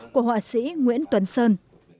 của họa sĩ nguyễn tuấn sơn